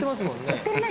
売ってるね